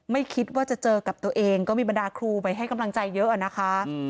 ไม่คิดว่าจะเจอกับตัวเองก็มีบรรดาครูไปให้กำลังใจเยอะอะนะคะ